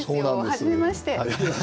はじめまして。